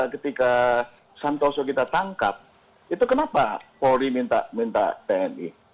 ketika santoso kita tangkap itu kenapa polri minta tni